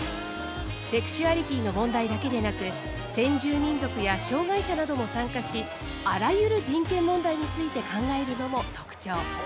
セクシュアリティーの問題だけでなく先住民族や障がい者なども参加しあらゆる人権問題について考えるのも特徴。